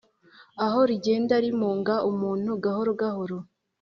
aho rigenda rimunga umuntu gahoro gahoro